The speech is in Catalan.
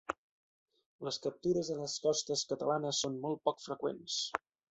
Les captures a les costes catalanes són molt poc freqüents.